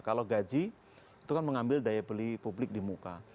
kalau gaji itu kan mengambil daya beli publik di muka